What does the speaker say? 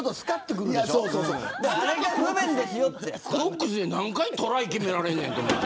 クロックスで何回トライ決められんねんって思った。